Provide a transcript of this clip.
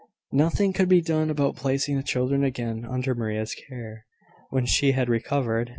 Nothing could be done about placing the children again under Maria's care, when she had recovered.